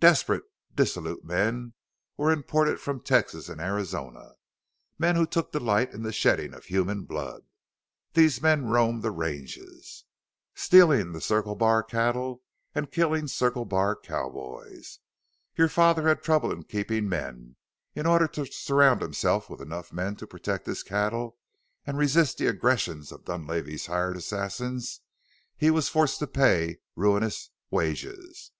Desperate, dissolute men were imported from Texas and Arizona, men who took delight in the shedding of human blood. These men roamed the ranges, stealing the Circle Bar cattle and killing Circle Bar cowboys. Your father had trouble in keeping men; in order to surround himself with enough men to protect his cattle and resist the aggressions of Dunlavey's hired assassins he was forced to pay ruinous wages.